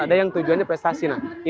ada yang tujuannya prestasi